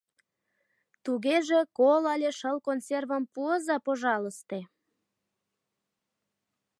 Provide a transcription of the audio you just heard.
— Тугеже кол але шыл консервым пуыза, пожалысте.